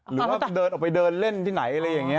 หรือว่าเดินออกไปเดินเล่นที่ไหนอะไรอย่างนี้